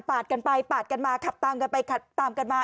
กันไปปาดกันมาขับตามกันไปขับตามกันมา